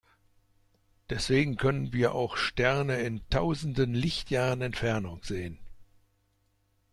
Deswegen können wir auch Sterne in tausenden Lichtjahren Entfernung sehen.